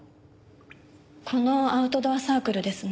このアウトドアサークルですね。